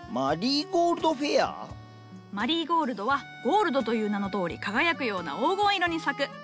マリーゴールドはゴールドという名のとおり輝くような黄金色に咲く。